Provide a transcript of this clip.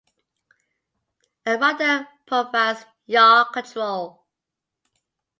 A rudder provides yaw control.